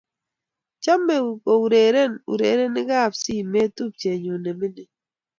chomei koureren urerenikab simet tupchenyu ne mining'